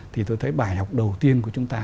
thì tôi thấy bài học đầu tiên của chúng ta